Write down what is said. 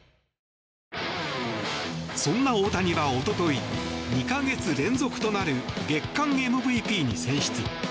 そんな大谷は一昨日２か月連続となる月間ＭＶＰに選出。